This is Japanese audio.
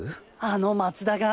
あの松田が？